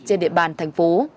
trên địa bàn thành phố